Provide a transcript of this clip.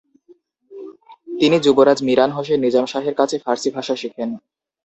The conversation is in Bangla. তিনি যুবরাজ মিরান হোসেন নিজাম শাহের কাছে ফার্সি ভাষা শেখান।